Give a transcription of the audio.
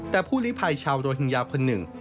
แต่ผู้ลิภัยชาวโรฮิงญาคนหนึ่ง